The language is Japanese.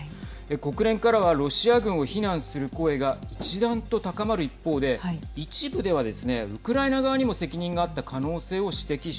国連からはロシア軍を非難する声が一段と高まる一方で一部ではですねウクライナ側にも責任があった可能性をはい。